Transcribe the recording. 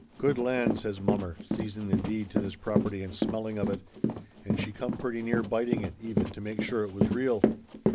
"Good land !" says mommer, seizing the deed to this property and smelling of it, and she come pretty near biting it, even, to make sure it was real.